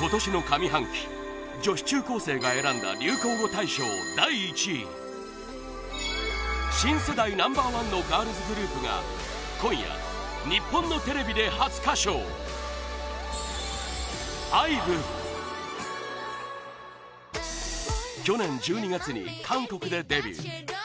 今年の上半期、女子中高生が選んだ流行語大賞第１位新世代ナンバー１のガールズグループが今夜、日本のテレビで初歌唱ＩＶＥ去年１２月に韓国でデビュー